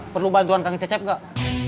perlu bantuan kaki cecep nggak